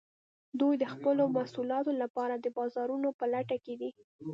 دوی د خپلو محصولاتو لپاره د بازارونو په لټه کې دي